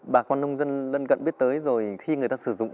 bà con nông dân lân cận biết tới rồi khi người ta sử dụng